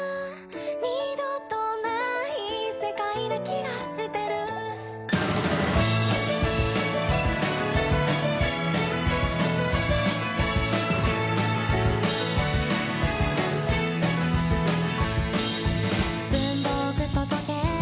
「二度とない世界な気がしてる」「文房具と時計